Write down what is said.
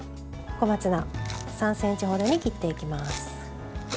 小松菜、３ｃｍほどに切っていきます。